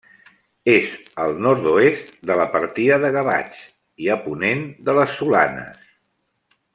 És al nord-oest de la partida de Gavatx i a ponent de les Solanes.